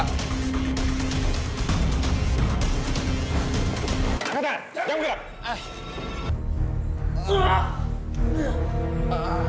angkatan jangan bergerak